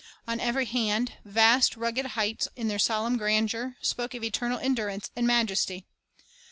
On every hand, vast, rugged heights, in their solemn grandeur, spoke of eternal endurance and majesty.